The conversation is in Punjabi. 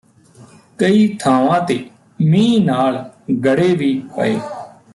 ਕਈ ਥਾਵਾਂ ਤੇ ਮੀਂਹ ਨਾਲ ਗੜ੍ਹੇ ਵੀ ਪਏ